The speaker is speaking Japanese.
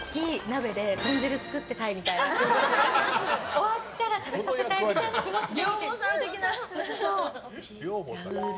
終わったら食べさせたいみたいな気持ちで。